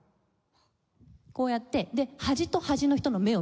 こうやってで端と端の人の目を見ます。